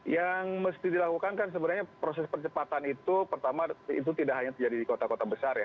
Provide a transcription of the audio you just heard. yang mesti dilakukan kan sebenarnya proses percepatan itu pertama itu tidak hanya terjadi di kota kota besar ya